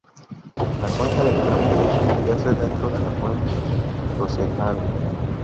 La cuenca del cráter yace dentro de la cuenca Procellarum.